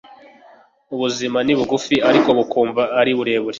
Ubuzima ni bugufi, ariko bukumva ari burebure.